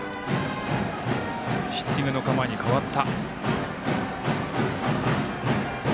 ヒッティングの構えに変わった。